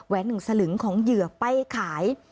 หนึ่งสลึงของเหยื่อไปขาย